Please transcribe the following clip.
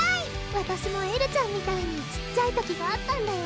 わたしもエルちゃんみたいに小っちゃい時があったんだよ